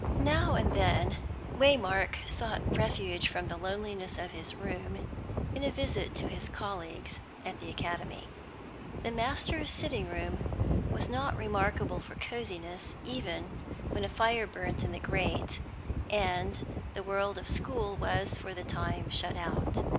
Now and then, Waymark sought refuge from the loneliness of his room in a visit to his colleagues at the Academy. The masters' sitting room was not remarkable for cosiness, even when a fire burnt in the grate and the world of school was for the time shut out.